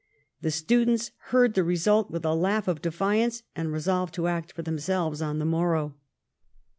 The students heard the result with a laugh of defiance, and resolved to act for themselves on the morrow.